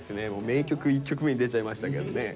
名曲１曲目に出ちゃいましたけどね。